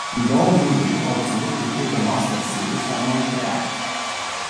În două mii unu a obținut titlul de Master Series, la Montreal.